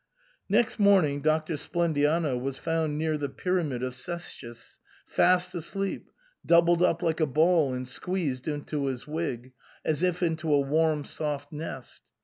Next morning Doctor Splendiano was found near the Pyramid of Cestius, fast asleep, doubled up like a ball and squeezed into his wig, as if into a warm soft nest.